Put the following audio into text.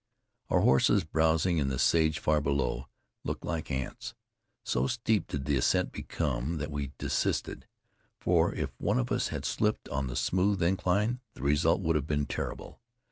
Our horses, browsing in the sage far below, looked like ants. So steep did the ascent become that we desisted; for if one of us had slipped on the smooth incline, the result would have been terrible.